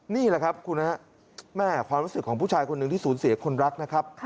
นี่แหละครับคุณฮะแม่ความรู้สึกของผู้ชายคนหนึ่งที่สูญเสียคนรักนะครับ